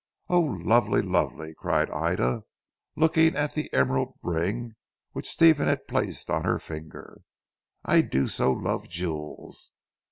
"Oh, lovely! lovely," cried Ida looking at the emerald ring which Stephen had placed on her finger. "I do so love jewels!"